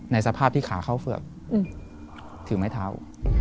สภาพที่ขาเข้าเฝือกถือไม้เท้า